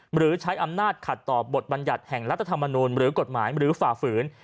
หรือใช้อำนาจขัดต่อบทบรรยัติแห่งรัฐธรรมนูลหรือกฎหมายหรือฝ่าฝืน